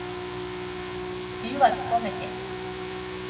冬はつとめて。